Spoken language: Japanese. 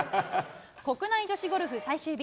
国内女子ゴルフ最終日。